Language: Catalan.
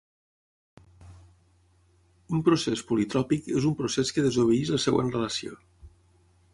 Un procés politròpic és un procés que desobeeix la següent relació.